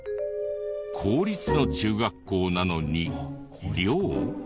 公立の中学校なのに寮？